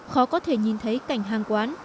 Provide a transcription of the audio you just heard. khó có thể nhìn thấy cảnh hàng quán